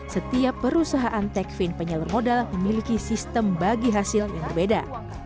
setiap perusahaan techfin penyalur modal memiliki sistem bagi hasil yang berbeda